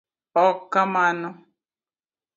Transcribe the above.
ok kamano